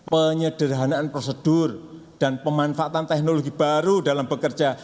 penyederhanaan prosedur dan pemanfaatan teknologi baru dalam bekerja